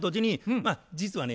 まあ実はね